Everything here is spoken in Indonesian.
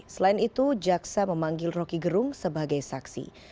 selain itu jaksa memanggil rokigerung sebagai saksi